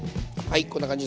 はい。